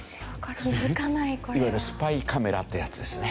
いわゆるスパイカメラってやつですね。